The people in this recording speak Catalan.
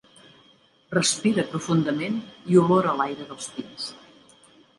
Respira profundament i olora l'aire dels pins.